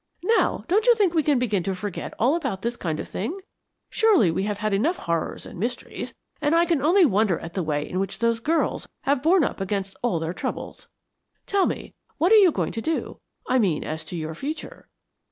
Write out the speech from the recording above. Now, don't you think we can begin to forget all about this kind of thing? Surely we have had enough horrors and mysteries, and I can only wonder at the way in which those girls have borne up against all their troubles. Tell me, what are you going to do? I mean as to your future."